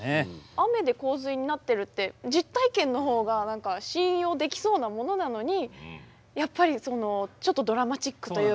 雨で洪水になってるって実体験のほうが何か信用できそうなものなのにやっぱりちょっとドラマチックというか